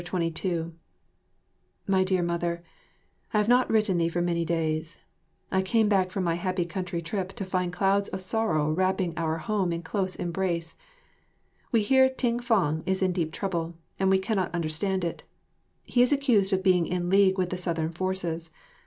22 My Dear Mother, I have not written thee for many days. I came back from my happy country trip to find clouds of sorrow wrapping our home in close embrace. We hear Ting fang is in deep trouble, and we cannot understand it. He is accused of being in league with the Southern forces.